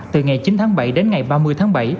từ ngày chín tháng bảy đến ngày ba mươi tháng bảy